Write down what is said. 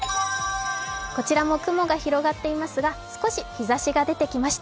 こちらも雲が広がっていますが、少し日ざしが出てきました。